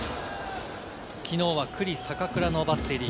きのうは九里、坂倉のバッテリー。